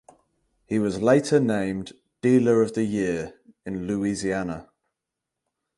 He was later named "Dealer of the Year" in Louisiana.